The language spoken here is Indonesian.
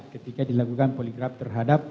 ketika dilakukan poligraf terhadap